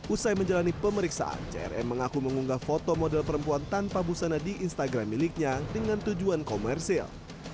usai menjalani pemeriksaan crm mengaku mengunggah foto model perempuan tanpa busana di instagram miliknya dengan tujuan komersil